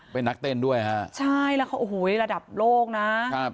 เป็นนักเต้นด้วยฮะใช่แล้วเขาโอ้โหระดับโลกนะครับ